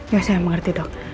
ya saya mengerti dok